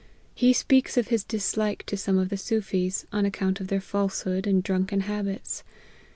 He speaks of his dislike to some of the Soofies, on account of their falsehood and drunken habits.